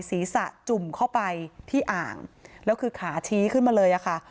จุ่มเข้าไปที่อ่างแล้วคือขาชี้ขึ้นมาเลยอะค่ะ